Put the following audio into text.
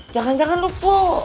jangan jangan lu pok